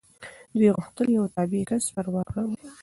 دوی غوښتل یو تابع کس پر واک راولي.